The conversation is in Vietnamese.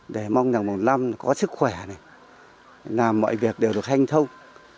để mong rằng một năm có sức khỏe làm mọi việc đều được hành thông